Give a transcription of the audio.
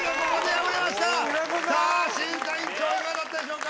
さあ審査委員長いかがだったでしょうか？